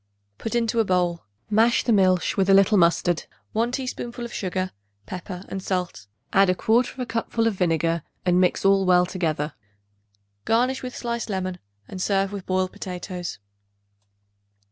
Put into bowl; mash the milch with a little mustard, 1 teaspoonful of sugar, pepper and salt. Add 1/4 cupful of vinegar and mix all well together. Garnish with sliced lemon, and serve with boiled potatoes.